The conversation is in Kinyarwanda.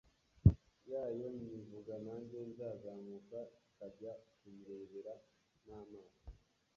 yayo nivuga nanjye nzazamuka kajya kuyirebera n’amaso